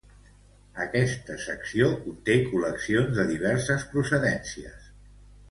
Aquesta secció conté col·leccions de diverses procedències.